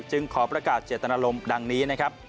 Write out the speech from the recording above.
จึงขอประกาศเจตนลมดังนี้